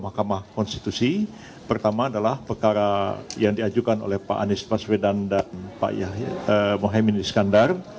mahkamah konstitusi pertama adalah perkara yang diajukan oleh pak anies baswedan dan pak mohaimin iskandar